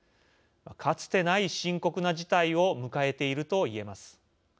かつてない深刻な事態を迎えているといえます。